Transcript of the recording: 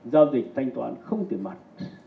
giao dịch thanh toán không tiền mặt